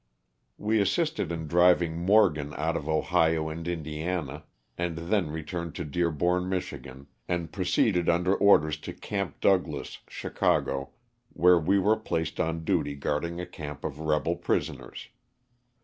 We assisted in driving Morgan out of Ohio and In diana, and then returned to Dearborn, Mich., and proceeded under orders to " Camp Douglass," Chicago, where we were placed on duty guarding a camp of rebel prisoners.